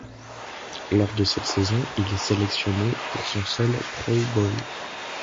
Lors de cette saison, il est sélectionné pour son seul Pro Bowl.